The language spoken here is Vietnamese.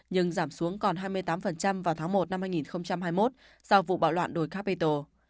nhưng giảm xuống còn hai mươi tám vào tháng một năm hai nghìn hai mươi một sau vụ bạo loạn đồi capital